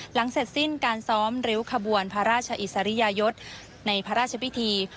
เสร็จสิ้นการซ้อมริ้วขบวนพระราชอิสริยยศในพระราชพิธี